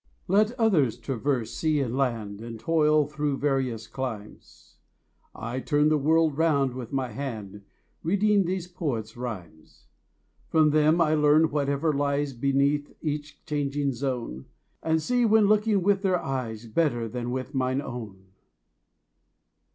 Let others traverse sea and land, And toil through various climes, 30 I turn the world round with my hand Reading these poets' rhymes. From them I learn whatever lies Beneath each changing zone, And see, when looking with their eyes, 35 Better than with mine own.